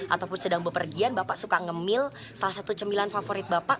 ataupun sedang berpergian bapak suka ngemil salah satu cemilan favorit bapak